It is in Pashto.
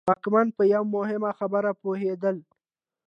واکمن په یوه مهمه خبره پوهېدل.